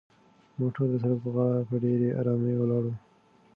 موټر د سړک په غاړه په ډېرې ارامۍ ولاړ و.